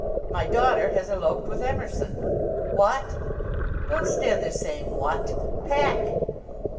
"My daughter has eloped with Emerson." "What!" "Don't stand there saying, 'What!' Pack."